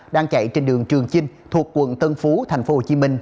đang chạy trên đường trường chinh thuộc quận tân phú thành phố hồ chí minh